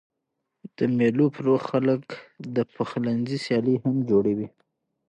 د مېلو پر وخت خلک د پخلنځي سیالۍ هم جوړوي.